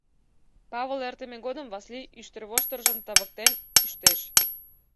Павыл эртыме годым Васлий ӱштервоштыржым тавыктен ӱштеш.